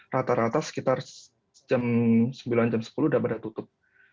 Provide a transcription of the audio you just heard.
rata rata sekitar jam sembilan sepuluh sudah berada tutup